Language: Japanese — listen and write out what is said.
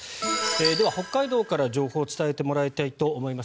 では、北海道から情報を伝えてもらいたいと思います。